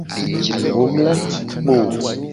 Wo mu la ci kpo o.